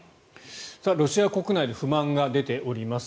ロシア国内で不満が出ております。